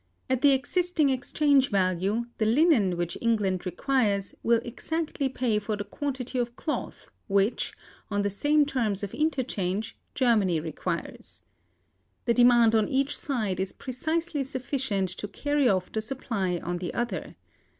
At the existing exchange value, the linen which England requires will exactly pay for the quantity of cloth which, on the same terms of interchange, Germany requires. The demand on each side is precisely sufficient to carry off the supply on the other.